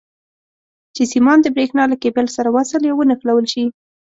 چې سیمان د برېښنا له کیبل سره وصل یا ونښلول شي.